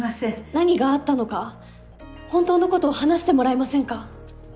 何があったのか本当のことを話してもらえませんか？